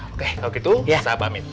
oke kalau gitu saya pamit